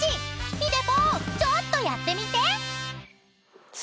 ［ひでぽんちょっとやってみて］